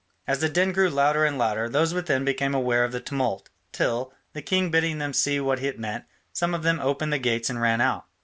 As the din grew louder and louder, those within became aware of the tumult, till, the king bidding them see what it meant, some of them opened the gates and ran out.